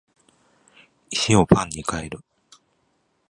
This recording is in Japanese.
石をパンに変える